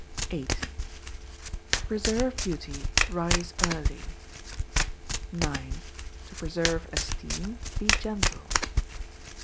viii. To preserve beauty, rise early. ix. To preserve esteem, be gentle.